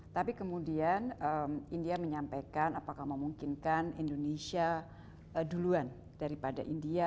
tapi kemudian india menyampaikan apakah memungkinkan indonesia duluan daripada india